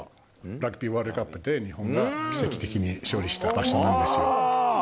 ラグビーワールドカップで日本が奇跡的に勝利した場所なんですよ。